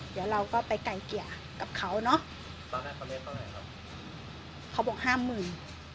เดี๋ยวเราก็ไปไก่เกียร์กับเขาเนอะเขาบอกห้ามหมื่น